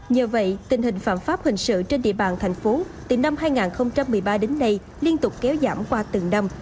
nhờ vậy tình hình phạm pháp hình sự trên địa bàn thành phố từ năm hai nghìn một mươi ba đến nay liên tục kéo giảm qua từng năm